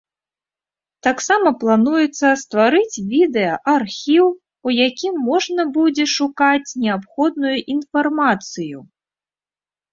Таксама плануецца стварыць відэаархіў, у якім можна будзе шукаць неабходную інфармацыю.